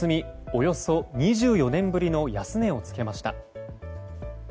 およそ２４年ぶりの安値をつけました。